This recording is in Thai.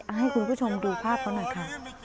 ให้คุณผู้ชมดูภาพเขาหน่อยค่ะ